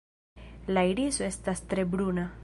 La iriso estas tre bruna.